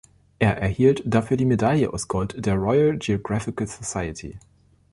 Er erhielt dafür die Medaille aus Gold der Royal Geographical Society.